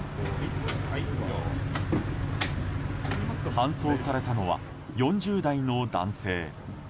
搬送されたのは４０代の男性。